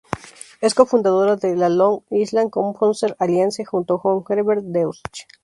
Es co-fundadora de la "Long Island Composers Alliance", junto con Herbert Deutsch.